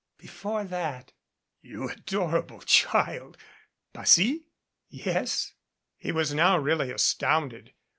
"Before that." "You adorable child ! Passy?" "Yes?" He was now really astounded.